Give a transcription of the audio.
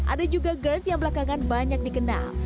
ada juga gerd yang belakangan banyak dikenal